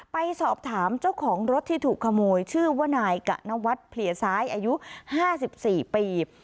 ไปสอบถามเจ้าของรถที่ถูกขโมยชื่อว่านายกะนวัฒน์เพลียซ้ายอายุ๕๔ปี